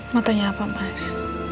mau tanya apa mas